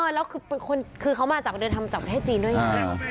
แล้วคือเขามาจับเดินทำจับประเทศจีนด้วยนะครับ